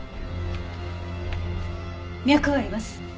脈はあります。